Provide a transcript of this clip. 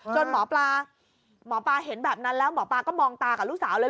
หมอปลาหมอปลาเห็นแบบนั้นแล้วหมอปลาก็มองตากับลูกสาวเลย